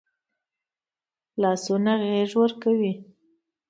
لاسونه غېږ ورکوي